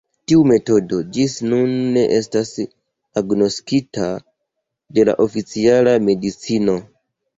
Tiu metodo ĝis nun ne estas agnoskita de la oficiala medicino!